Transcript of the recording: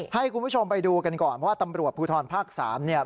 ให้คุณผู้ชมไปดูกันก่อนเพราะว่าตำรวจภูทรภาค๓เนี่ย